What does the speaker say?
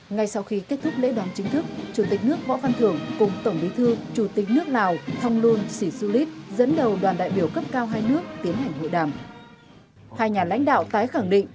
ngay sau khi kết thúc lễ đón chính thức chủ tịch nước võ văn thưởng cùng tổng bí thư chủ tịch nước lào thonglun sỉ xu lít dẫn đầu đoàn đại biểu cấp cao hai nước tiến hành hội đàm